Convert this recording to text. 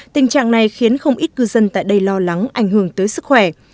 tình trạng này khiến không ít cư dân tại đây lo lắng ảnh hưởng tới sức khỏe